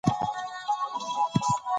د ټولنیزو بدلونونو مخه مه نیسه.